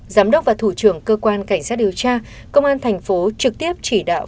giám đốc và thủ trưởng cơ quan cảnh sát điều tra công an thành phố trực tiếp chỉ đạo